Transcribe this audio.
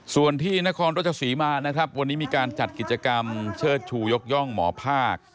ส่วนที่นครรัชศรีมานะครับวันนี้มีการจัดกิจกรรมเชิดชูยกย่องหมอภาค